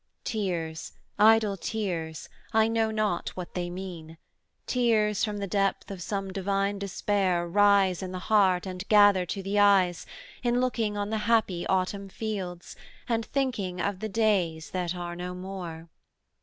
'Tears, idle tears, I know not what they mean, Tears from the depth of some divine despair Rise in the heart, and gather to the eyes, In looking on the happy Autumn fields, And thinking of the days that are no more.